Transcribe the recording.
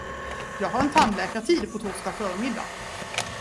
Jag har en tandläkartid på torsdag förmiddag.